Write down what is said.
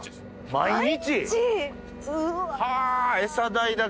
毎日！